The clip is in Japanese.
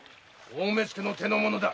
「大目付」の手の者だ。